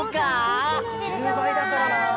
１０ばいだからな。